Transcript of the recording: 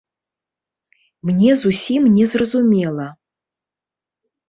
Мне зусім не зразумела.